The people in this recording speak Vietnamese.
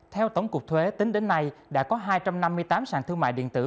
theo tổng cục thuế tính đến nay đã có hai trăm năm mươi tám sàn thương mại điện tử